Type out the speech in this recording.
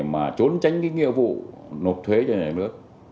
mà trốn tránh cái nghĩa vụ nộp thuế cho nhà nước